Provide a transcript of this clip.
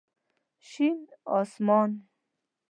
شين اسمان